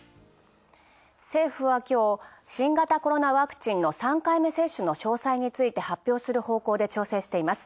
政府は今日、新型コロナワクチンの３回目接種の詳細について発表する方向で調整しています。